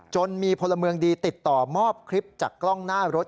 จนมีพลเมืองดีติดต่อมอบคลิปจากกล้องหน้ารถ